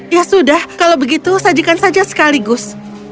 ya sudah kalau begitu sajikan saja sekaligus